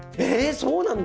そうなんだ。